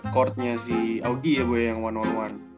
courtnya si augie ya boy yang satu on satu